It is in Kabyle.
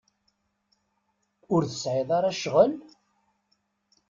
Ur tesɛiḍ ara ccɣel?